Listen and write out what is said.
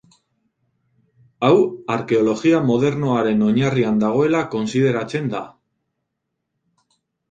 Hau arkeologia modernoaren oinarrian dagoela kontsideratzen da.